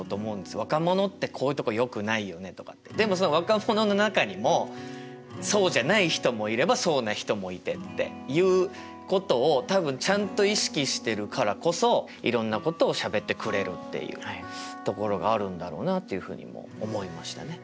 「若者ってこういうとこよくないよね」とかって。でもその若者の中にもそうじゃない人もいればそうな人もいてっていうことを多分ちゃんと意識してるからこそいろんなことをしゃべってくれるっていうところがあるんだろうなっていうふうにも思いましたね。